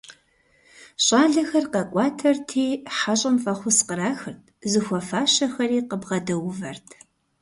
ЩӀалэхэр къэкӀуатэрти, хьэщӀэм фӀэхъус кърахырт, зыхуэфащэхэри къыбгъэдэувэрт.